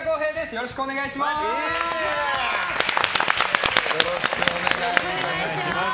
よろしくお願いします。